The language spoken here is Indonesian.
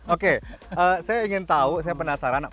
oke saya ingin tahu saya penasaran